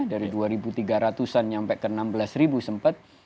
dari dua tiga ratus an sampai ke enam belas sempat